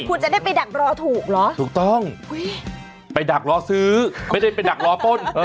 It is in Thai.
คุณจะได้ไปดักรอถูกเหรอถูกต้องไปดักรอซื้อไม่ได้ไปดักรอป้น